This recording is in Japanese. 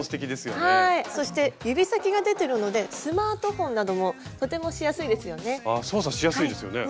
そして指先が出てるのでスマートフォンなどもとてもしやすいですよね。